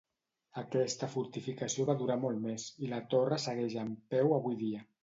Aquesta fortificació va durar molt més, i la torre segueix en peu avui dia.